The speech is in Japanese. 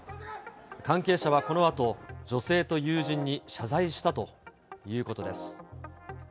関係者はこのあと、女性と友人に謝罪したということです。